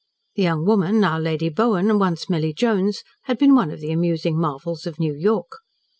This young woman, now Lady Bowen, once Milly Jones, had been one of the amusing marvels of New York.